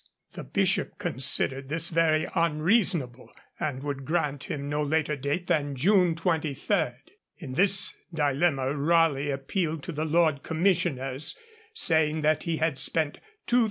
The Bishop considered this very unreasonable, and would grant him no later date than June 23. In this dilemma Raleigh appealed to the Lords Commissioners, saying that he had spent 2,000_l.